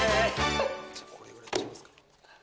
これぐらいいっちゃいますか。